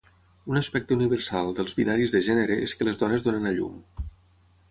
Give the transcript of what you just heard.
Un aspecte universal dels binaris de gènere és que les dones donen a llum.